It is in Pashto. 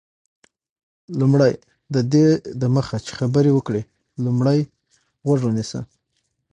لومړی: ددې دمخه چي خبري وکړې، لومړی غوږ ونیسه.